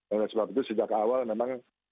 oleh sebab itu sejak awal memang